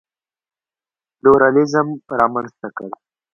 پلورالېزم رامنځته کړ.